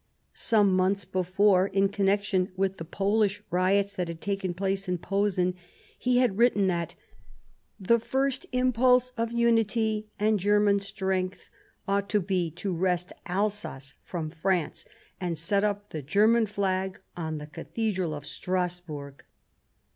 Some months earlier, in connection with the Polish riots that had taken place in Posen, he had written that " the first impulse of unity and German strength ought to be to wrest Alsace from France and set up the German flag on the Cathedral of Strasburg."